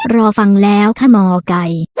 รอฟังแล้วค่ะหมอไก่